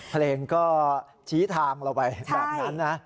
เพลงก็ชี้ทางเราไปแบบนั้นนะ